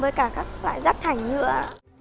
với cả các loại rác thải nhựa